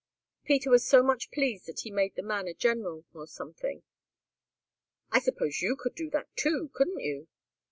Peter was so much pleased that he made the man a general or something." "I suppose you could do that, too, couldn't you?"